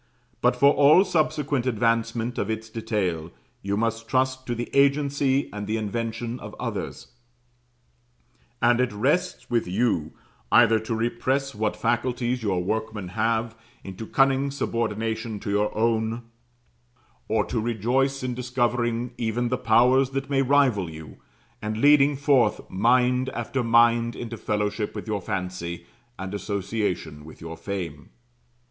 But for all subsequent advancement of its detail, you must trust to the agency and the invention of others; and it rests with you either to repress what faculties your workmen have, into cunning subordination to your own; or to rejoice in discovering even the powers that may rival you, and leading forth mind after mind into fellowship with your fancy, and association with your fame.